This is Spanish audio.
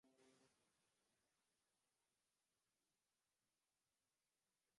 Esta es la cuarta temporada bajo el nuevo formato.